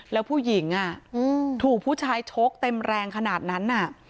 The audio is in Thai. แล้วผู้หญิงถูกผู้ชายชกเต็มแรงขนาดนั้น